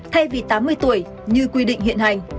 thay vì tám mươi tuổi như quy định hiện hành